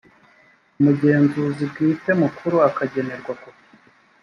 umugenzuzi bwite mukuru akagenerwa kopi